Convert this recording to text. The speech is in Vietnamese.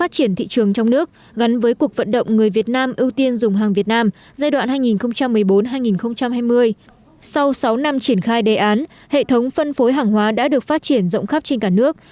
sau sáu năm triển khai đề án hệ thống phân phối hàng hóa đã được phát triển rộng khắp trên cả nước